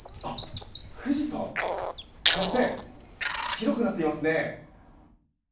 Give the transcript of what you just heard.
富士山、てっぺん白くなっていますね。